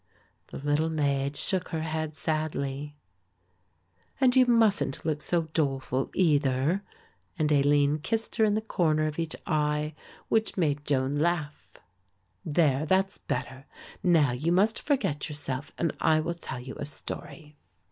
The little maid shook her head sadly. "And you mustn't look so doleful either," and Aline kissed her in the corner of each eye which made Joan laugh. "There, that's better; now you must forget yourself and I will tell you a story."